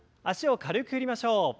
脚を軽く振りましょう。